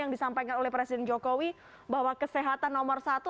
yang disampaikan oleh presiden jokowi bahwa kesehatan nomor satu